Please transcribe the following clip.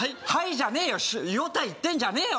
じゃねえよ与太言ってんじゃねえよ